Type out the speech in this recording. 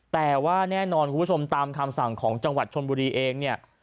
แต่ว่าแน่นอนคุณผู้ชมตามคำสั่งของจังหวัดชนบุรีเองเนี่ย